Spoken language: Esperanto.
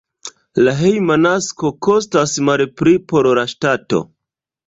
La hejma nasko kostas malpli por la ŝtato.